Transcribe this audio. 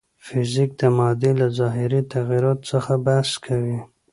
فزیک د مادې له ظاهري تغیراتو څخه بحث کوي.